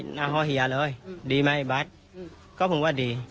หน้าห้องเฮียเลยดีไหมบัตรก็ผมว่าดี